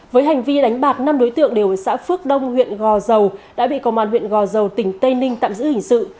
với hành vi đánh bạc năm đối tượng đều ở xã phước đông huyện gò dầu đã bị công an huyện gò dầu tỉnh tây ninh tạm giữ hình sự